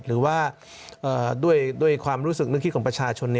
หรือว่าด้วยความรู้สึกนึกคิดของประชาชน